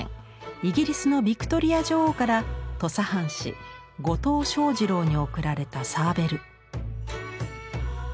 イギリスのビクトリア女王から土佐藩士後藤象二郎に贈られたサーベル。